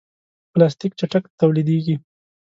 پلاستيک چټک تولیدېږي.